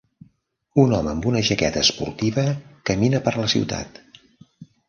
Un home amb una jaqueta esportiva camina per la ciutat.